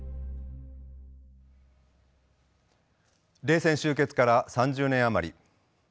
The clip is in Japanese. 冷戦終結から３０年余り。